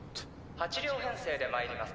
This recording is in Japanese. ８両編成で参ります。